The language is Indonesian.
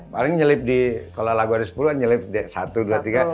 paling nyelip di kalau lagu ada sepuluh an nyelip satu dua tiga